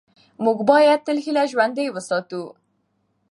موږ باید تل هیله ژوندۍ وساتو